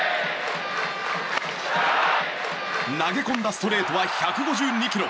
投げ込んだストレートは１５２キロ！